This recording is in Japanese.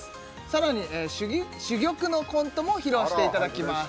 さらに珠玉のコントも披露していただきます